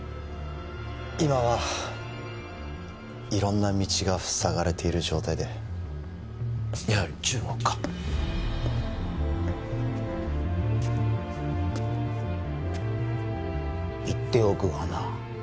今は色んな道が塞がれている状態でやはり中国か言っておくがな